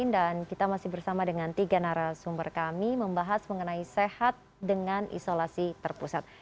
dan kita masih bersama dengan tiga narasumber kami membahas mengenai sehat dengan isolasi terpusat